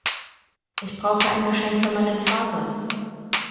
Ich brauche ein Geschenk für meinen Vater.